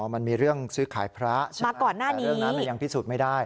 มันมีเรื่องซื้อขายพระมาก่อนหน้านี้เรื่องนั้นมันยังพิสูจน์ไม่ได้